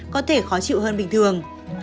có thể khó chịu hơn bình thường